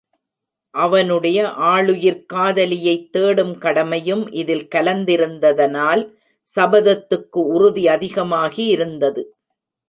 அவனுடைய ஆளுயிர்க் காதவியைத் தேடும் கடமையும் இதில் கலந்திருந்ததனால் சபதத்துக்கு உறுதி அதிகமாகி இருந்தது.